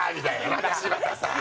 「また柴田さん！」。